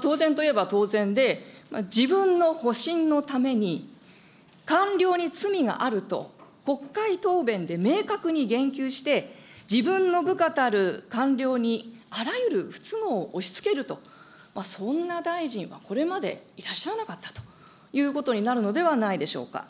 当然といえば当然で、自分の保身のために、官僚に罪があると、国会答弁で明確に言及して、自分の部下たる官僚にあらゆる不都合を押しつけると、そんな大臣はこれまでいらっしゃらなかったということになるのではないでしょうか。